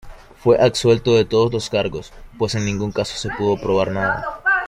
Fue absuelto de todos los cargos, pues en ningún caso se pudo probar nada.